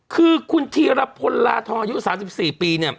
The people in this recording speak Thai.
คือคุณธีรพลลาทองอายุ๓๔ปีเนี่ย